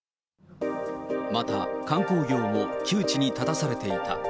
また、観光業も窮地に立たされていた。